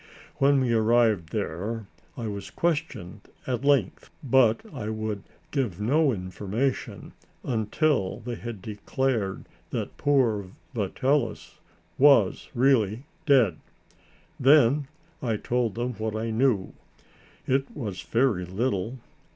When we arrived there I was questioned at length, but I would give no information until they had declared that poor Vitalis was really dead. Then I told them what I knew. It was very little.